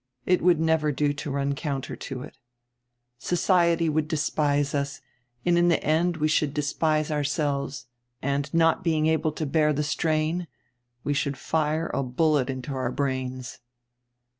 It would never do to run counter to it. Society would despise us and in the end we should despise ourselves and, not being able to bear tire strain, we should fire a bullet into our brains.